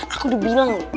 aku udah bilang